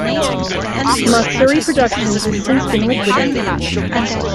Matsuri Productions has since been liquidated.